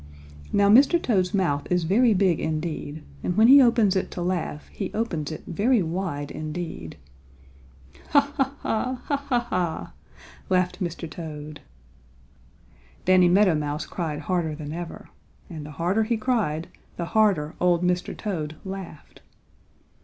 Now Mr. Toad's mouth is very big indeed, and when he opens it to laugh he opens it very wide indeed. "Ha, ha, ha! Ha, ha, ha!" laughed Mr. Toad. Danny Meadow Mouse cried harder than ever, and the harder he cried the harder old Mr. Toad laughed.